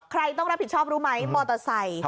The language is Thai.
ใครต้องรับผิดชอบรู้ไหมมอเตอร์ไซค์